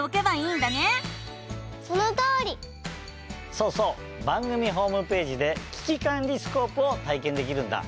そうそう番組ホームページで「キキカンリスコープ」をたいけんできるんだ！